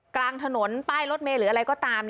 กลางถนนป้ายรถเมย์หรืออะไรก็ตาม